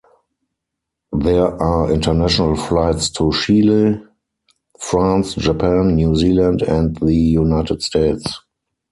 There are international flights to Chile, France, Japan, New Zealand and the United States.